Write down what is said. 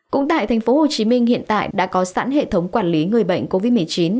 cũng tại tp hcm hiện tại đã có sẵn hệ thống quản lý người bệnh covid một mươi chín